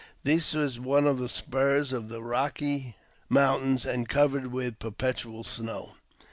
This was one of the spurs of the Eocky Mountains, and covered with perpetual snows.